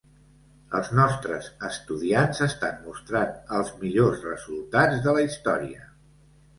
Els nostres estudiants estan mostrant els millors resultats de la història.